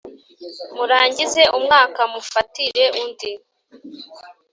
Murangize umwaka, mufatire undi,